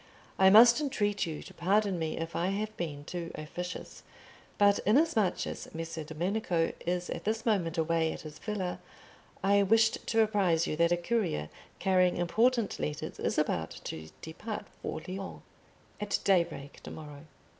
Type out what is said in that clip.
I must entreat you to pardon me if I have been too officious; but inasmuch as Messer Domenico is at this moment away at his villa, I wished to apprise you that a courier carrying important letters is about to depart for Lyons at daybreak to morrow."